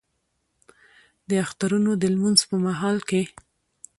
د اخترونو د لمونځ په مهال کې